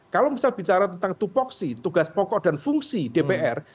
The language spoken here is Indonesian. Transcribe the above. kalau misal bicara tentang tupoksi tugas pokok dan fungsi dpr